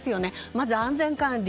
まず、安全管理。